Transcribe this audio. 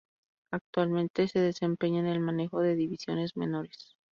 Actualmente se desempeña en el manejo de divisiones menores.